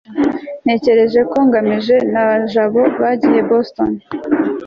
natekereje ko ngamije na jabo bagiye i boston